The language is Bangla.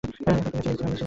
এখনই করছি, মিস ডিভাইন।